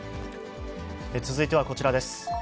続いてはこちらです。